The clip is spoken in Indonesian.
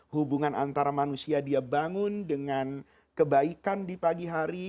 hubungan antara manusia dia bangun dengan kebaikan di pagi hari